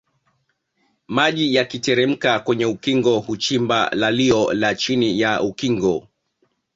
Maji yakiteremka kwenye ukingo huchimba lalio la chini Chini ya ukingo